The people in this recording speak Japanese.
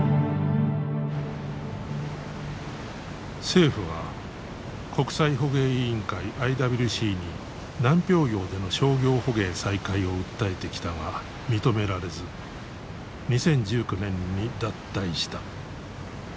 政府は国際捕鯨委員会ＩＷＣに南氷洋での商業捕鯨再開を訴えてきたが認められず２０１９年に脱退した。